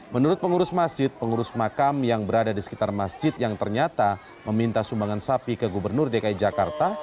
menurut pengurus masjid pengurus makam yang berada di sekitar masjid yang ternyata meminta sumbangan sapi ke gubernur dki jakarta